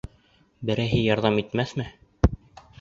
Берәйһе ярҙам итмәҫме?